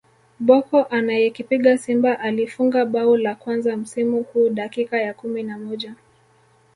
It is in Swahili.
Bocco anayekipiga Simba alifunga bao la kwanza msimu huu dakika ya kumi na moja